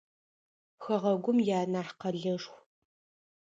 Хэгъэгум ианахь къэлэшху.